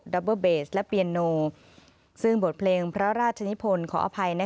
ับเบอร์เบสและเปียโนซึ่งบทเพลงพระราชนิพลขออภัย